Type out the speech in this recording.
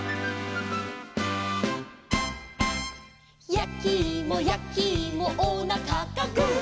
「やきいもやきいもおなかがグー」